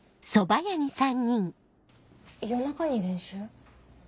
夜中に練習？